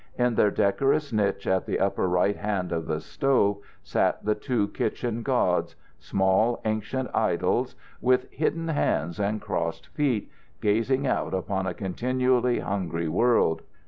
In their decorous niche at the upper right hand of the stove sat the two kitchen gods, small ancient idols, with hidden hands and crossed feet, gazing out upon a continually hungry world.